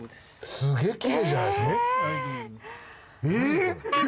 えっ！？